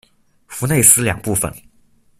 弗内斯两部分。